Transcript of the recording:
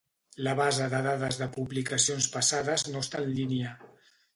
La base de dades de publicacions passades no està en línia.